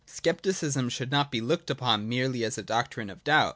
(2) Scepticism should not be looked upon merely as a doctrine of doubt.